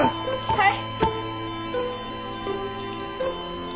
はい。